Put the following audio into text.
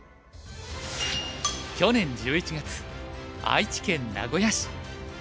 去年１１月愛知県名古屋市。